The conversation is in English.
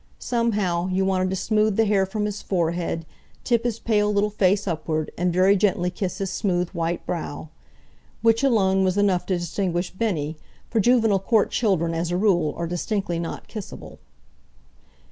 Somehow, you wanted to smooth the hair from his forehead, tip his pale little face upward, and very gently kiss his smooth, white brow. Which alone was enough to distinguish Bennie, for Juvenile court children, as a rule, are distinctly not kissable.